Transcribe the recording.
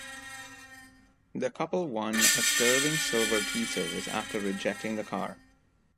The couple won a sterling silver tea service, after rejecting the car.